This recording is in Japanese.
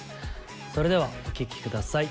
それではお聴き下さい。